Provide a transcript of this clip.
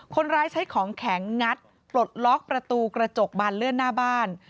คนร้ายใช้ของแข็งงัดปลดล็อกประตูกระจกบานเลื่อนหน้าบ้าน